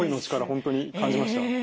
本当に感じました。